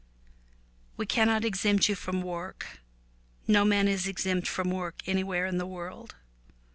We cannot exempt you from work. No man is exempt from work anywhere in the world.